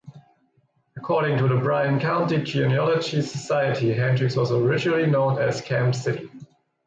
According to the Bryan County Genealogy Society, Hendrix was originally known as Kemp City.